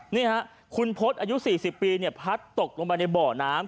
นี่ฮะคุณพศอายุ๔๐ปีเนี่ยพาทาตกลงมาในบ่อน้ำ